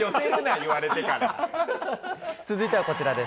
続いてはこちらです。